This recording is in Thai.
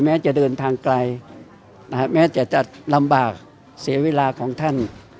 จะเดินทางไกลแม้จะจัดลำบากเสียเวลาของท่าน